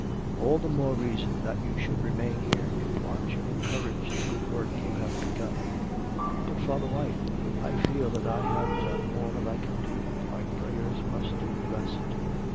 'All the more reason that you should remain here to watch and encourage the good work you have begun.' 'But, Father White, I feel that I have done all that I can do.... My prayers must do the rest.'